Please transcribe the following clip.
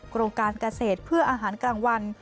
โรงการเกษตรเพื่ออาหารกลางวัน